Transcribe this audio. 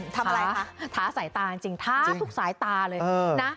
ทำอะไรคะท้าสายตาจริงท้าทุกสายตาเลยนะ